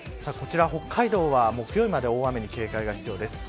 こちら北海道は木曜日まで大雨に警戒が必要です。